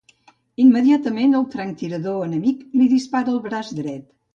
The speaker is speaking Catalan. Immediatament el franctirador enemic li dispara al braç dret.